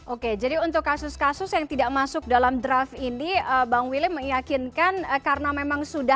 oke jadi untuk kasus kasus yang tidak masuk dalam draft ini bang willy meyakinkan karena memang sudah